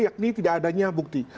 yakni tidak adanya bukti